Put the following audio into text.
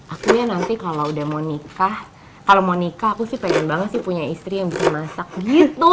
aku ya nanti kalau udah mau nikah kalau mau nikah aku sih pengen banget sih punya istri yang bisa masak gitu